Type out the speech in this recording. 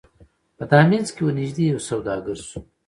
په دامنځ کي ورنیژدې یو سوداګر سو